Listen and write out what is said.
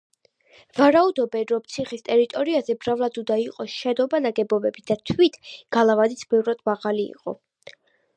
ვარაუდობენ, რომ ციხის ტერიტორიაზე მრავლად უნდა იყო შენობა-ნაგებობები და თვით გალავანიც ბევრად მაღალი იყო.